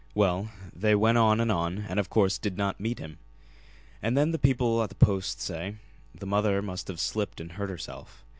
"Well, they went on and on, and of course did not meet him. And then, the people at the Post say, the mother must have slipped and hurt herself.